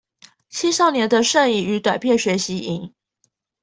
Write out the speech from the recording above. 青少年的攝影與短片學習營